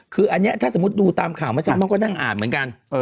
คืออันเนี้ยถ้าสมมติดูตามข่าวมาจากน้องก็นั่งอ่านเหมือนกันเออ